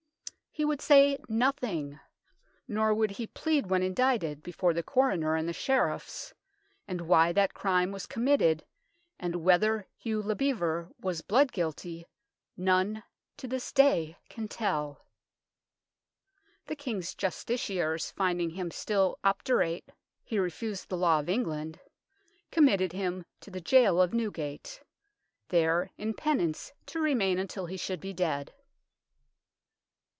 He would say nothing, nor would he plead when indicted before the Coroner and the Sheriffs, and why that crime was committed and whether Hugh le Bevere was blood guilty none to this day can tell. The King's justiciars, finding him still obdurate " he refused the law of England " committed him to the gaol of Newgate, there in penance to remain until he should be dead.